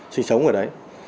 sinh sống ở đấy